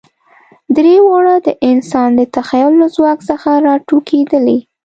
درې واړه د انسان د تخیل له ځواک څخه راټوکېدلي.